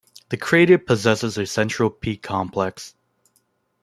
The crater possesses a central peak complex.